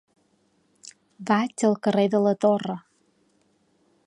Vaig al carrer de la Torre.